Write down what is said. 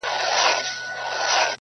غوجله لا هم خاموشه ولاړه ده